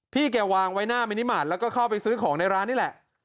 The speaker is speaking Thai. แกวางไว้หน้ามินิมาตรแล้วก็เข้าไปซื้อของในร้านนี่แหละ